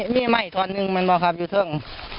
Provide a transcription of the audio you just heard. นี่ไหม่ท่อนนึงมันมองครับอยู่ทั่ง